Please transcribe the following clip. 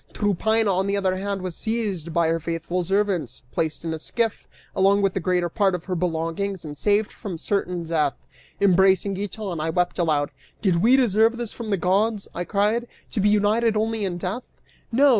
Tryphaena, on the other hand, was seized by her faithful servants, placed in a skiff, along with the greater part of her belongings, and saved from certain death. Embracing Giton, I wept aloud: "Did we deserve this from the gods," I cried, "to be united only in death? No!